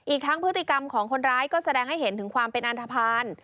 อีกทั้งพฤติกรรมของคนร้ายก็แสดงให้เห็นถึงความเป็นอันทภาณ